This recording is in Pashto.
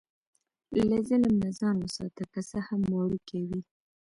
له ظلم نه ځان وساته، که څه هم وړوکی وي.